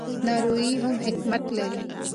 ناروغي هم حکمت لري.